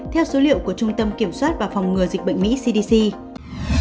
theo số liệu của trung tâm kiểm soát và phòng ngừa dịch bệnh mỹ cdc